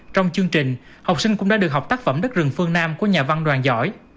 trong chương trình học sinh cũng đã được học tác phẩm đất rừng phương nam của nhà văn đoàn giỏi